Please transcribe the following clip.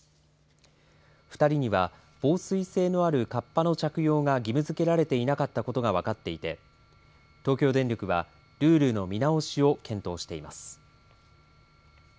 ２人には、防水性のあるかっぱの着用が義務づけられていなかったことが分かっていて東京電力はルールの見直しを検討しています。